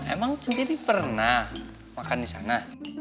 emang sendiri pernah makan di sana